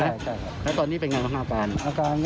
ใช่แล้วตอนนี้เป็นอย่างไรข้างหน้ากลาง